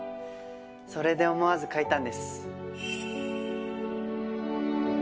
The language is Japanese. それで思わず描いたんです。